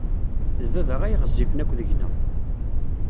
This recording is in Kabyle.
D baba ay ɣezzifen akk deg-neɣ.